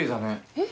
えっ？